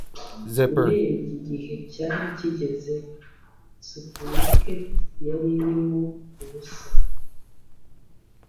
urebye igihe cyari kigeze, supermarket yari irimo ubusa